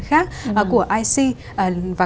khác của ic và